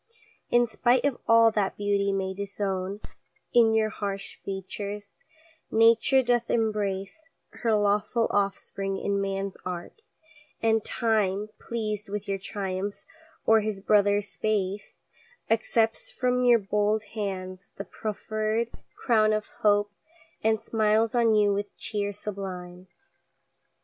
In spite of all that beauty may disown In your harsh features, Nature doth embrace Her lawful offspring in ManŌĆÖs art; and Time, Pleased with your triumphs oŌĆÖer his brother Space, Accepts from your bold hands the profferŌĆÖd crown Of hope, and smiles on you with cheer sublime.